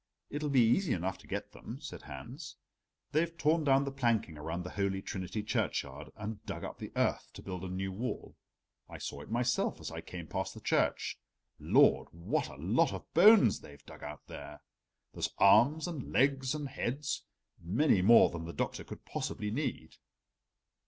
"It'll be easy enough to get them," said Hans. "They've torn down the planking around the Holy Trinity churchyard, and dug up the earth to build a new wall. I saw it myself, as I came past the church. Lord, what a lot of bones they've dug out there! There's arms and legs and heads, many more than the Doctor could possibly need."